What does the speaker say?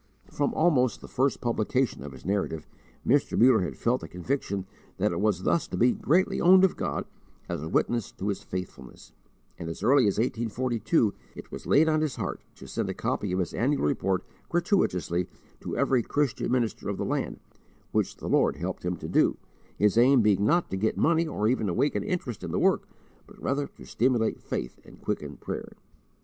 From almost the first publication of his Narrative, Mr. Muller had felt a conviction that it was thus to be greatly owned of God as a witness to His faithfulness; and, as early as 1842, it was laid on his heart to send a copy of his Annual Report gratuitously to every Christian minister of the land, which the Lord helped him to do, his aim being not to get money or even awaken interest in the work, but rather to stimulate faith and quicken prayer.